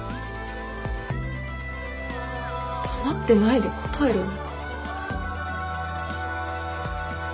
黙ってないで答えろよ。